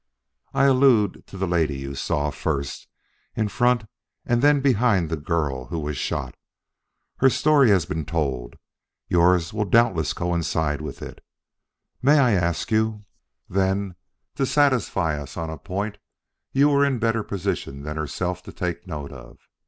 I allude to the lady you saw, first in front of and then behind the girl who was shot. Her story has been told. Yours will doubtless coincide with it. May I ask you, then, to satisfy us on a point you were in a better position than herself to take note of.